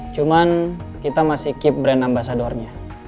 cuman kita masih keep brand ambasadornya